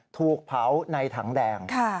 ถูกเผาในถังแดง